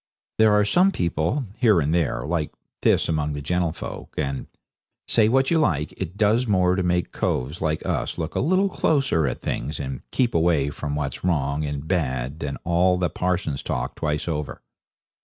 There are some people, here and there, like this among the gentlefolk, and, say what you like, it does more to make coves like us look a little closer at things and keep away from what's wrong and bad than all the parsons' talk twice over.